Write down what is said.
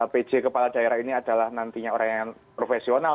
pj kepala daerah ini adalah nantinya orang yang profesional